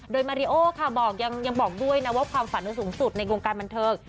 โดยมาริโอค่ะบอกยังบอกด้วยนะว่าความฝันสูงสุดในวงการบันเทิง